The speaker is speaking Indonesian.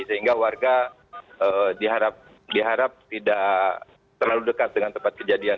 sehingga warga diharap tidak terlalu dekat dengan tempat kejadian